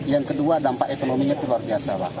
yang kedua dampak ekonominya terlalu jelas